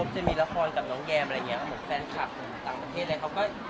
แสวได้ไงของเราก็เชียนนักอยู่ค่ะเป็นผู้ร่วมงานที่ดีมาก